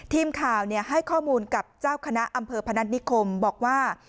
ทีมข่าวให้ข้อมูลกับเจ้าคณะอำเภอพนัฐนิคมบอกว่า